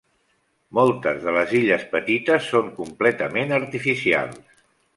Moltes de les illes petites són completament artificials.